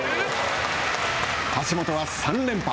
橋本は３連覇。